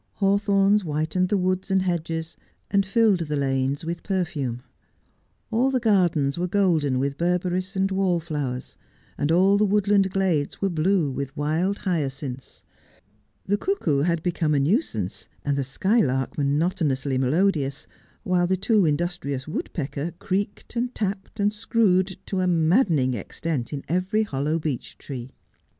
Hawthorns whitened the woods and hedges, and filled the lanes with perfume. All the gardens were golden with beiberis and wallflowers, and all the woodland glades were blue with wild hyacinths. The cuckoo had become a nuisance, and the skylark monotonously melodious, while the too industrious woodpecker creaked and tapped and screwed to a maddening extent in every hollow beech tree.